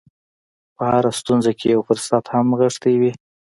په هره ستونزه کې یو فرصت هم نغښتی وي